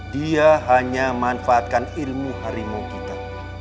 dia hanya manfaatkan ilmu harimau kita